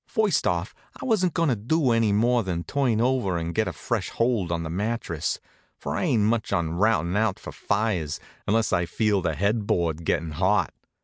First off I wasn't goin' to do any more than turn over and get a fresh hold on the mattress, for I ain't much on routin' out for fires unless I feel the head board gettin' hot.